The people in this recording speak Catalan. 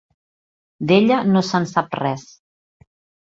D'ella no se'n sap res.